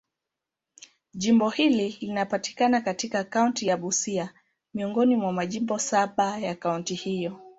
Jimbo hili linapatikana katika kaunti ya Busia, miongoni mwa majimbo saba ya kaunti hiyo.